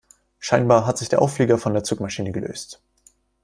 Scheinbar hat sich der Auflieger von der Zugmaschine gelöst.